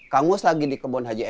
kangus lagi di kebun haji eman